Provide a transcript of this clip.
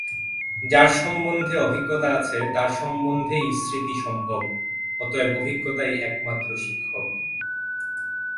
যার সম্বন্ধে অভিজ্ঞতা আছে, তার সম্বন্ধেই স্মৃতি সম্ভব, অতএব অভিজ্ঞতাই একমাত্র শিক্ষক।